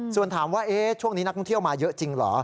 ส่วนถามว่าช่วงนี้นักท่องเที่ยวมาเยอะจริงเหรอ